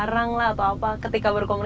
dan seperti tidak ada